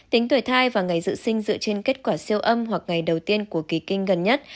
tính tuổi thai và ngày dự sinh dựa trên kết quả siêu âm hoặc ngày đầu tiên của kỳ kinh gần nhất